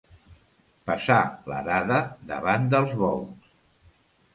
Passar l'arada davant dels bous.